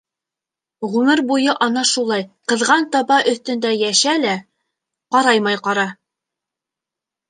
Ғүмер буйы ана шулай ҡыҙған таба өҫтөндә йәшә лә ҡараймай ҡара.